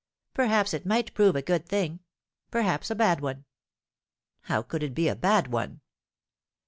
"Perhaps it might prove a good thing; perhaps a bad one." "How could it be a bad one?"